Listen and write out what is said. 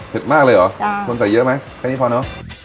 เผ็ดมากเลยเหรอส่วนใส่เยอะมั้ยแค่นี้พอนะ